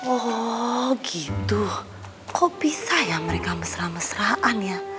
oh gitu kok bisa ya mereka mesra mesraan ya